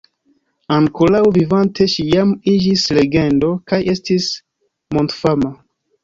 Ankoraŭ vivante ŝi jam iĝis legendo kaj estis mondfama.